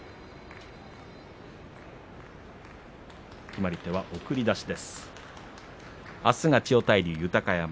決まり手は送り出し。